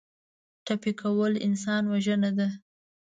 ټپي کول انسان وژنه ده.